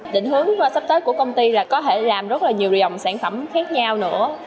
định hướng sắp tới của công ty là có thể làm rất là nhiều dòng sản phẩm khác nhau nữa